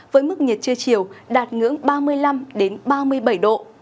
với mức nhiệt trưa chiều đạt ngưỡng ba mươi năm ba mươi bảy độ